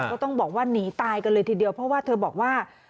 ก็ต้องบอกว่าหนีตายกันเลยทีเดียวเพราะว่าเธอบอกว่า